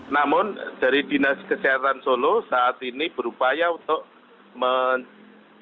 namun dari dinas kesehatan solo saat ini berupaya untuk mencari